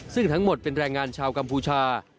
ซึ่งทั้งหมดเป็นแรงงานชาวกัมพูชา